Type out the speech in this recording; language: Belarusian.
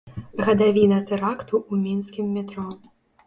Гадавіна тэракту ў мінскім метро.